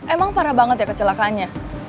emang parah banget ya kecelakaannya